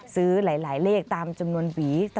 ซื้อหลายเลขตามจำนวนหวี